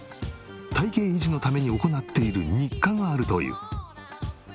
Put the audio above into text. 体形維持のために行っている日課があるという。